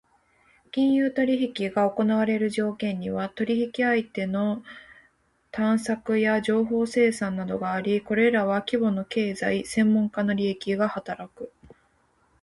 金融取引が行われる条件には、取引相手の探索や情報生産などがあり、これらは規模の経済・専門家の利益が働く。